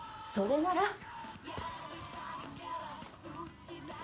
それなら。